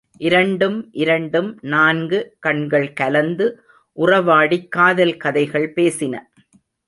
இரண்டும் இரண்டும் நான்கு கண்கள் கலந்து உறவாடிக் காதல் கதைகள் பேசின.